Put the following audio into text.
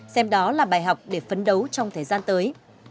xem đó là bài học để phấn đấu trong thời gian tới